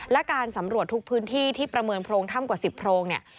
และการสำรวจทุกพื้นที่ที่ประเมินโพรงถ้ำกว่า๑๐โพรงเนี่ย